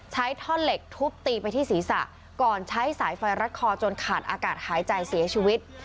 ท่อนเหล็กทุบตีไปที่ศีรษะก่อนใช้สายไฟรัดคอจนขาดอากาศหายใจเสียชีวิต